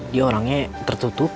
dia orangnya tertutup